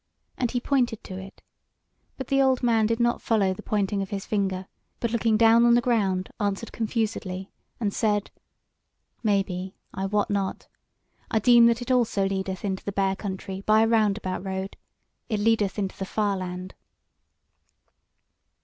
And he pointed to it: but the old man did not follow the pointing of his finger, but, looking down on the ground, answered confusedly, and said: "Maybe: I wot not. I deem that it also leadeth into the Bear country by a roundabout road. It leadeth into the far land."